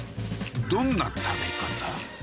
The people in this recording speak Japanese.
どんな食べ方？